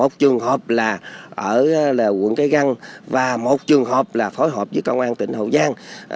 một trường hợp là ở quận cái găng và một trường hợp là phối hợp với công an tỉnh hậu giang